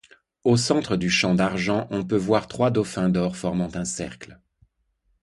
Au centre du champ d'argent on peut voir trois dauphins d'or formant un cercle.